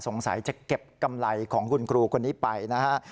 สงสัยจะเก็บกำไรของคุณครูคนนี้ไปนะฮะ